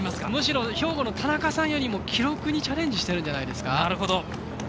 むしろ兵庫の田中さんよりも記録にチャレンジしてるんじゃないですか。